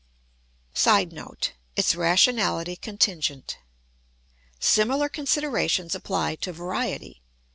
[Sidenote: Its rationality contingent.] Similar considerations apply to variety.